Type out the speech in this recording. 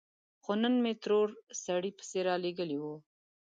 خو نن مې ترور سړی پسې رالېږلی و.